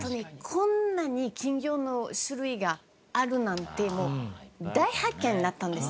こんなに金魚の種類があるなんてもう大発見だったんです。